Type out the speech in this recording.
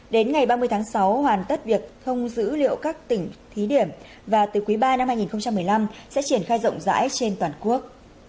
đến ngày ba mươi tháng sáu hoàn tất việc thông dữ liệu các tỉnh thí điểm và từ quý ba năm hai nghìn một mươi năm sẽ triển khai rộng rãi trên toàn quốc